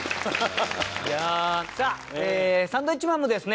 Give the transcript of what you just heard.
さあサンドウィッチマンもですね